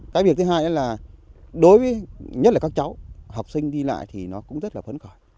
cái việc thứ hai là đối với nhất là các cháu học sinh đi lại thì nó cũng rất là phấn khởi